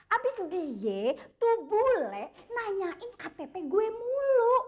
abis diye tuh bule nanyain ktp gue mulu